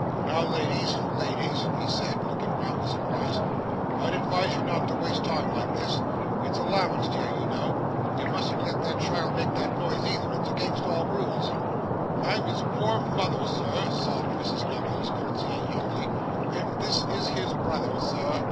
'Now, ladies, ladies,' he said, looking round with surprise, 'I'd advise you not to waste time like this. It's allowanced here, you know. You mustn't let that child make that noise either. It's against all rules.' 'I'm his poor mother, sir,' sobbed Mrs Nubbles, curtseying humbly, 'and this is his brother, sir.